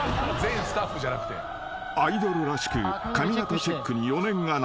［アイドルらしく髪形チェックに余念がない］